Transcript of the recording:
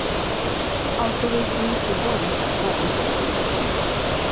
奥斯威辛是波兰小波兰省的一个镇。